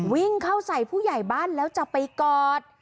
วิ่งเข้าใส่ผู้ใหญ่บ้านแล้วจะไปกอด